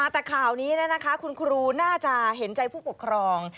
แต่ข่าวนี้คุณครูน่าจะเห็นใจผู้ปกครอง